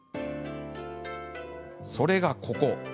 それが、ここ。